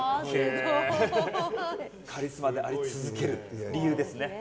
カリスマであり続ける理由ですね。